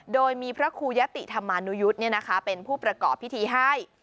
โดยมีพระครูยะติธรรมานุยุทธ์เป็นผู้ประกอบพิธีให้